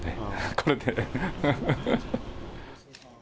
これで。